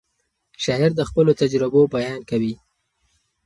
شاعر د خپلو تجربو بیان کوي.